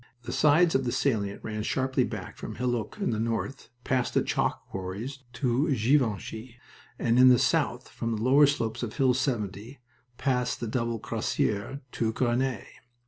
The sides of the salient ran sharply back from Hulluch in the north, past the chalk quarries to Givenchy, and in the south from the lower slopes of Hill 70 past the Double Crassier to Grenay.